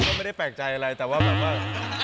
ก็ไม่ได้แปลกใจอะไรแต่ว่าแบบว่า